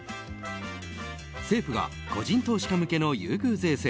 政府が個人投資家向けの優遇税制